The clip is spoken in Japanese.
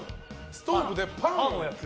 ストーブでパンを焼く。